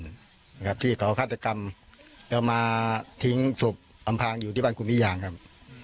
นะครับที่เขาฆาตกรรมแล้วมาทิ้งศพอำพางอยู่ที่บ้านคุณพิยางครับ